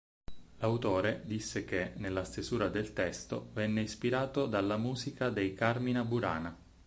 L'autore disse che, nella stesura del testo, venne ispirato dalla musica dei Carmina Burana.